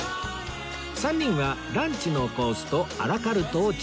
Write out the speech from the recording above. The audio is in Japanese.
３人はランチのコースとアラカルトを注文